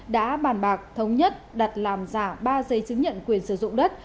đã bàn bạc thống nhất đặt làm giả ba giấy chứng nhận quyền sử dụng đất